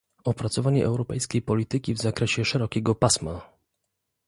Opracowanie europejskiej polityki w zakresie szerokiego pasma